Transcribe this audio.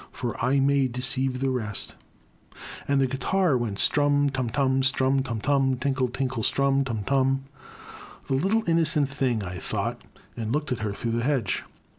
For I may deceive the rest*' And the guitar went strum ! tum tum ! strum / tum tiun ! tinkle tinkle tinkle j/r«»f / tum tum! The little innocent thing," I thought, and looked at her through the hedge.